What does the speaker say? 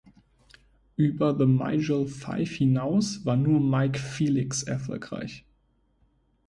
Über The Migil Five hinaus war nur Mike Felix erfolgreich.